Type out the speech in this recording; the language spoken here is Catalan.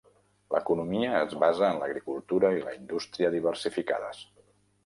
L'economia es basa en l'agricultura i la industria diversificades.